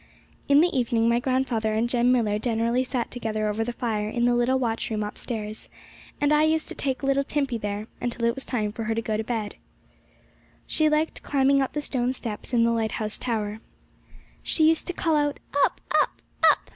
In the evening, my grandfather and Jem Millar generally sat together over the fire in the little watchroom upstairs, and I used to take little Timpey up there, until it was time for her to go to bed. She liked climbing up the stone steps in the lighthouse tower. She used to call out, 'Up! up! up!'